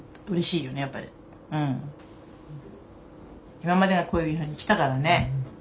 今までがこういうふうにきたからね。